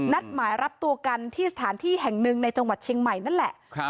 นัดหมายรับตัวกันที่สถานที่แห่งหนึ่งในจังหวัดเชียงใหม่นั่นแหละ